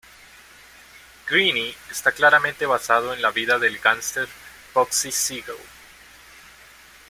Greene está claramente basado en la vida del gánster Bugsy Siegel.